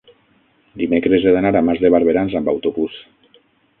dimecres he d'anar a Mas de Barberans amb autobús.